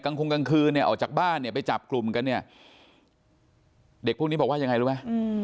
คงกลางคืนเนี่ยออกจากบ้านเนี่ยไปจับกลุ่มกันเนี่ยเด็กพวกนี้บอกว่ายังไงรู้ไหม